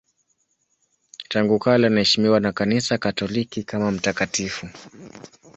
Tangu kale anaheshimiwa na Kanisa Katoliki kama mtakatifu.